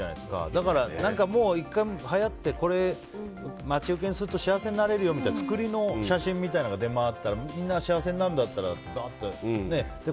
だからはやって待ち受けにすると幸せになれるみたいな作りの写真が出回ったらみんな幸せになるんだったらって広めて。